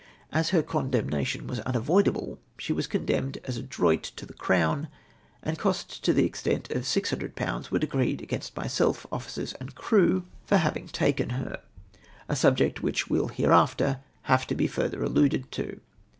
As her condemnation was unavoidable, she was condemned as a elroit to the Crown ; and costs to the extent of 600/. were decreed against myself, officers, and crew, for having taken MODES OF EVADING IT. 135 her ! A subject which will hereafter have to be further alluded to.